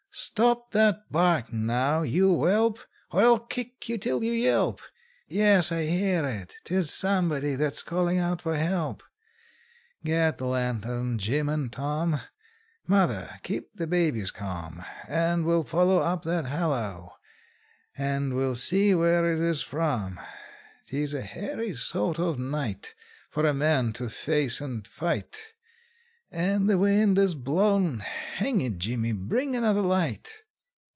Stop that barkin', now, you whelp, Or I'll kick you till you yelp! Yes, I hear it; 'tis somebody that's callin' out for help. Get the lantern, Jim and Tom; Mother, keep the babies calm, And we'll follow up that halloa, and we'll see where it is from. 'Tis a hairy sort of night "'TIS A HAIRY SORT OF NIGHT FOR A MAN TO FACE AND FIGHT." For a man to face and fight; And the wind is blowin' Hang it, Jimmy, bring another light!